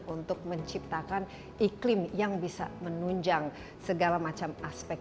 untuk menciptakan iklim yang bisa menunjang segala macam aspek